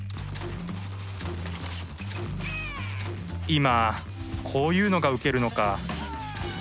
今こういうのがウケるのかあ。